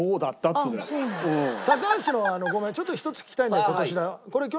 高橋のごめんちょっと一つ聞きたいんだ今年。